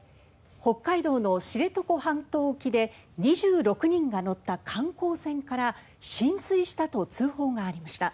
北海道の知床半島沖で２６人が乗った観光船から浸水したと通報がありました。